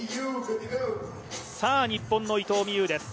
日本の伊藤美優です。